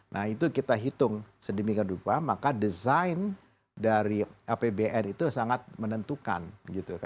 nah itu kita hitung sedemikian rupa maka desain dari apbn itu sangat menentukan gitu kan